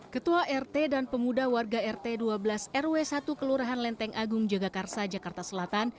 ketua rt dan pemuda warga rt dua belas rw satu kelurahan lenteng agung jagakarsa jakarta selatan